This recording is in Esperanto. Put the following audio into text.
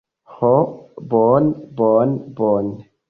Ho, bone, bone, bone.